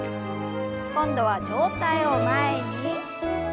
今度は上体を前に。